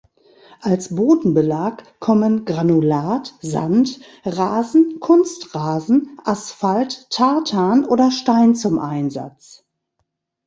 Als Bodenbelag kommen Granulat, Sand, Rasen, Kunstrasen, Asphalt, Tartan oder Stein zum Einsatz.